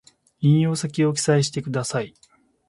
引用先を記載してください